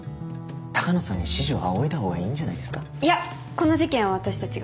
この事件は私たちが。